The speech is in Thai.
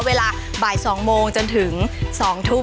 เวลาบ่าย๒โมงจนถึง๒ทุ่ม